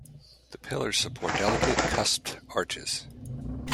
The pillars support delicate cusped arches.